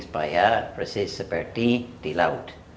sebaiknya proses seperti di laut